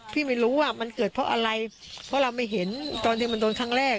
ไม่รู้ว่ามันเกิดเพราะอะไรเพราะเราไม่เห็นตอนที่มันโดนครั้งแรก